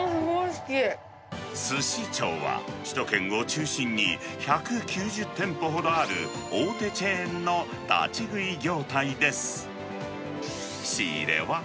すし兆は、首都圏を中心に１９０店舗ほどある大手チェーンの立ち食い業態です。